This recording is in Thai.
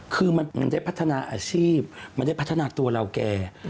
คือมันได้พัฒนาอาชีพมันได้พัฒนาตัวเราแก